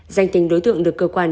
danh tình đối tượng được cơ quan